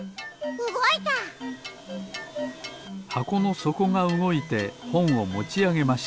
うごいた！はこのそこがうごいてほんをもちあげました